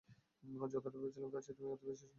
যতটা ভেবেছিলাম, তার চেয়েও তুমি বেশি সুন্দর।